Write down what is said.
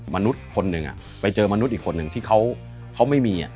มนุษย์คนหนึ่งไปเจอมนุษย์อีกคนหนึ่งที่เขาไม่มี